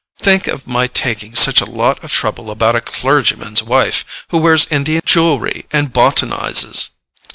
Think of my taking such a lot of trouble about a clergyman's wife, who wears Indian jewelry and botanizes!